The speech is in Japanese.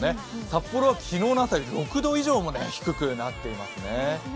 札幌は昨日の朝より６度以上も低くなっていますね。